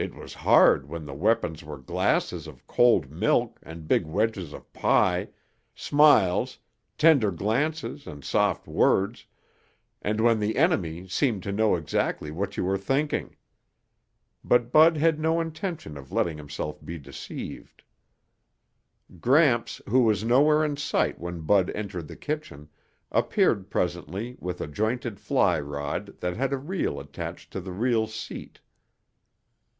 It was hard when the weapons were glasses of cold milk and big wedges of pie, smiles, tender glances and soft words, and when the enemy seemed to know exactly what you were thinking. But Bud had no intention of letting himself be deceived. Gramps, who was nowhere in sight when Bud entered the kitchen, appeared presently with a jointed fly rod that had a reel attached to the reel seat.